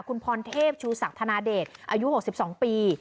คุณพรเทพชูศักดิธนาเดชอายุ๖๒ปี